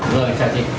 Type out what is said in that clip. rồi chào chị